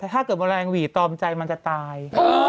ถ้าเกิดแมลงหวีดตอมใจมันจะตาย